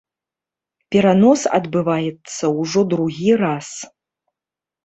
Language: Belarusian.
Перанос адбываецца ўжо другі раз.